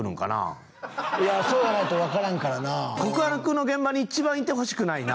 そうやないと分からんからな。